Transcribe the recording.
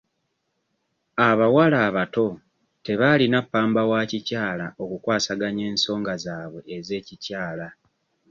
Abawala abato tebaalina ppamba wa kikyala okukwasaganya ensoonga zaabwe ez'ekikyala.